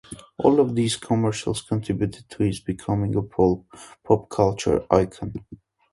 All of these commercials contributed to his becoming a pop-culture icon.